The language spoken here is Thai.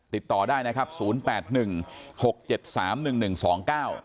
ติดต่อได้นะครับศูนย์แปดหนึ่งหกเจ็ดสามหนึ่งหนึ่งสองเก้า